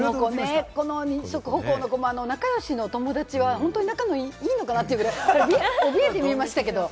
この二足歩行の子も仲良しのお友達は本当、仲いいのかな？というぐらい、おびえて見えましたけれども。